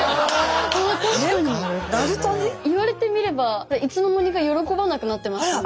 言われてみればいつの間にか喜ばなくなってましたね。